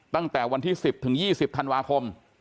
ตั้งแต่วันที่๑๐ถึง๒๐ธันวาคม